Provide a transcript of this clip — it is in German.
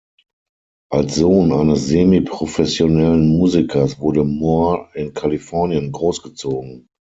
Als Sohn eines semiprofessionellen Musikers wurde Moore in Kalifornien großgezogen.